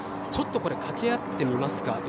ちょっと掛け合ってみますか。